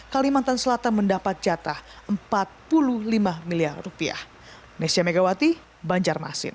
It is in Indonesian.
kalimantan selatan mendapat jatah empat puluh lima miliar rupiah